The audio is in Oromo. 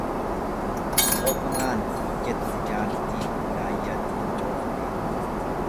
Qoqu maal jette jaartiin gaayyaatti fincooftee.